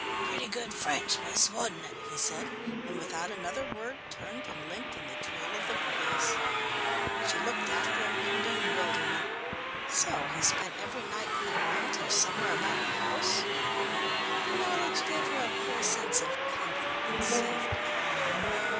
"Pretty good French, miss, wasn't it?" he said, and without another word, turned and limped in the trail of the police. She looked after him in bewilderment. So he spent every night in the grounds, or somewhere about the house? The knowledge gave her a queer sense of comfort and safety.